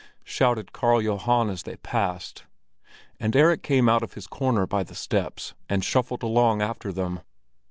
shouted Karl Johan as they passed, and Erik came out of his corner by the steps, and shuffled along after them.